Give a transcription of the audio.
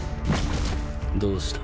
どうした？